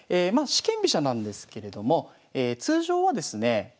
まあ四間飛車なんですけれども通常はですね